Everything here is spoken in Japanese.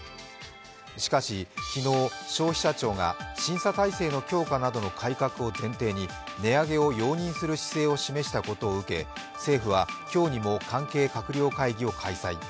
しかし昨日、消費者庁が審査体制の強化などの改革を前提に値上げを容認する姿勢を示したことを受け政府は今日にも関係閣僚会議を開催。